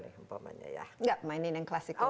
enggak mainin yang klasik dulu